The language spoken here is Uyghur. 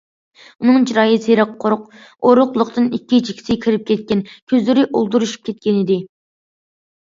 ئۇنىڭ چىرايى سېرىق، ئورۇقلۇقتىن ئىككى چېكىسى كىرىپ كەتكەن، كۆزلىرى ئولتۇرۇشۇپ كەتكەنىدى.